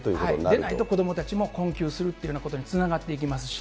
でないと、子どもたちも困窮するというようなことにつながっていきますし。